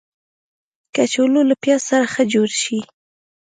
کچالو له پیاز سره ښه جوړ شي